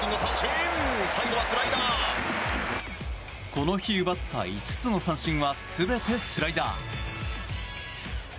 この日奪った５つの三振は全てスライダー。